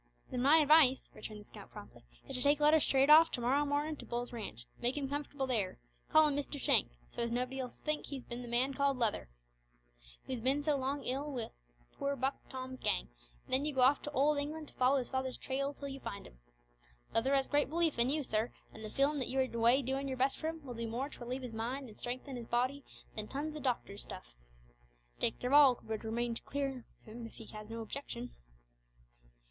"Then my advice," returned the scout promptly, "is to take Leather straight off to morrow mornin' to Bull's ranch; make him comfortable there, call him Mister Shank, so as nobody'll think he's been the man called Leather, who's bin so long ill along wi' poor Buck Tom's gang, and then you go off to old England to follow his father's trail till you find him. Leather has great belief in you, sir, and the feelin' that you are away doin' your best for him will do more to relieve his mind and strengthen his body than tons o' doctor's stuff. Dick Darvall could remain to take care of him if he has no objection."